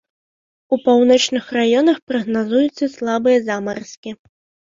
У паўночных раёнах прагназуюцца слабыя замаразкі.